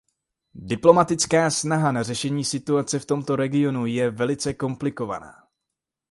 Diplomatické snaha na řešení situace v tomto regionu je velice komplikovaná.